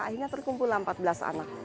akhirnya terkumpullah empat belas anak